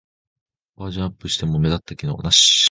バージョンアップしても目立った機能はなし